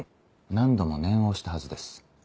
何度も念を押したはずです。